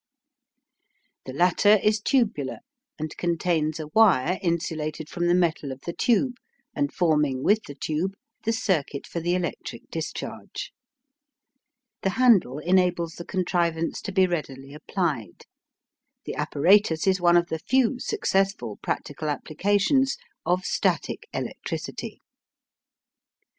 The latter is tubular, and contains a wire insulated from the metal of the tube, and forming with the tube the circuit for the electric discharge. The handle enables the contrivance to be readily applied. The apparatus is one of the few successful practical applications of static electricity.